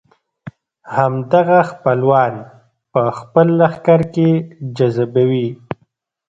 همدغه خپلوان په خپل لښکر کې جذبوي.